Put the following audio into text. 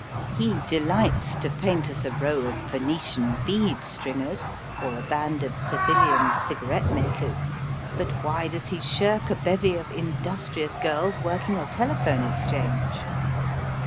He delights to paint us a row of Venetian bead stringers or a band of Sevilhan cigarette makers, but why does he shirk a bevy of industrious girls working a telephone exchange?